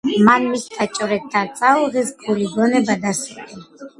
მან მისთა მჭვრეტთა წაუღის გული, გონება და სული,